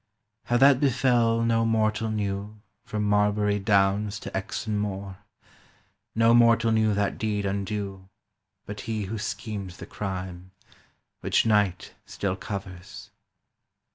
How that befell no mortal knew From Marlbury Downs to Exon Moor; No mortal knew that deed undue But he who schemed the crime, Which night still covers